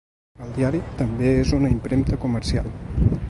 El diari també és una impremta comercial.